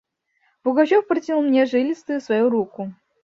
Пугачев протянул мне жилистую свою руку.